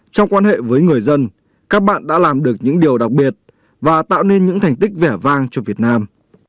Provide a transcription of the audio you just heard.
trong quan hệ với người dân các bạn đã làm được những điều đặc biệt và tạo nên những thành tích vẻ vang cho việt nam